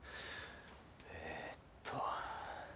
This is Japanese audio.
えっと。